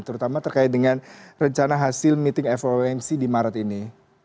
terutama terkait dengan rencana hasil meeting fomc di maret ini